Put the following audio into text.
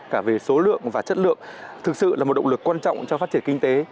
cả về số lượng và chất lượng thực sự là một động lực quan trọng cho phát triển kinh tế